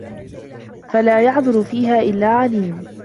فَلَا يَعْذُرُ فِيهَا إلَّا عَلِيمٌ